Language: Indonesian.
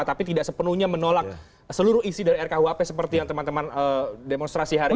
tapi tidak sepenuhnya menolak seluruh isi dari rkuhp seperti yang teman teman demonstrasi hari ini